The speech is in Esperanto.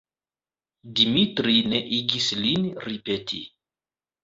Dimitri ne igis lin ripeti.